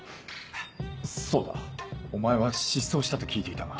そうだお前は失踪したと聞いていたが。